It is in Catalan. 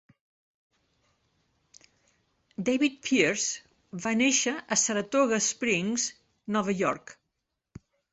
David Pierce va néixer a Saratoga Springs, Nova York.